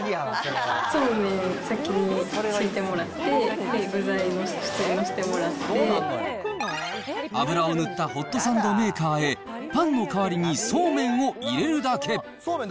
そうめんを先に敷いてもらって、油を塗ったホットサンドメーカーへ、パンの代わりにそうめんを入れるだけ。